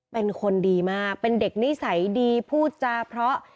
เป็นคนดีมากเป็นเด็กนิสัยดีพูดจาเพราะ